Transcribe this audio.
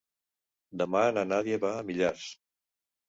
Demà na Nàdia va a Millars.